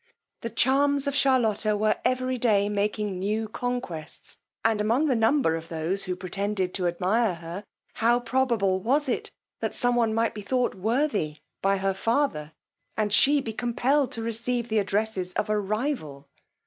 The charms of Charlotta were every day making new conquests; and among the number of those who pretended to admire her, how probable was it that some one might be thought worthy by her father, and she be compelled to receive the addresses of a rival.